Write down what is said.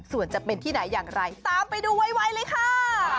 ส่วนจะเป็นที่ไหนอย่างไรตามไปดูไวเลยค่ะ